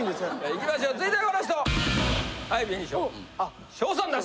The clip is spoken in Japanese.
いきましょう続いてはこの人！